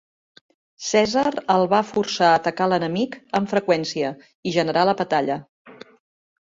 Cèsar el va forçar a atacar l'enemic amb freqüència i generar la batalla.